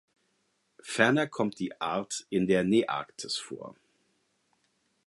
Ferner kommt die Art in der Nearktis vor.